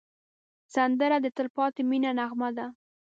سندره د تل پاتې مینې نغمه ده